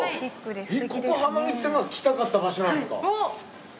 えっここ浜口さんが来たかった場所なんですか？